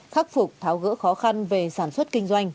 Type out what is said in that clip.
khắc phục tháo gỡ khó khăn về sản xuất kinh doanh